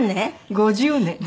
５０年？